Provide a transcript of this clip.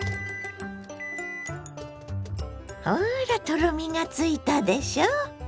ほらとろみがついたでしょ。